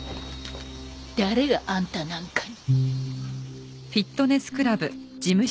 誰があんたなんかに。